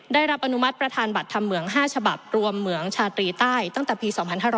ได้รับอนุมัติประธานบัตรธรรมเหมือง๕ฉบับรวมเหมืองชาตรีใต้ตั้งแต่ปี๒๕๕๙